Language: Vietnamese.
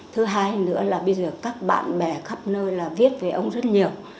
thứ hai nữa là bây giờ các bạn bè khắp nơi là viết về ông rất nhiều